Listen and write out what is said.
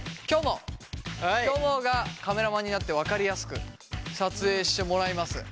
きょもがカメラマンになって分かりやすく撮影してもらいます。